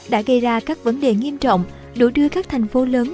đã gây ra các vấn đề nghiêm trọng đổ đưa các thành phố lớn